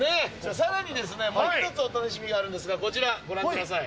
さらにですね、もう一つお楽しみがあるんですが、こちら、ご覧ください。